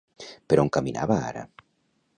Per on caminava ara?